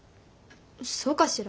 そうかしら？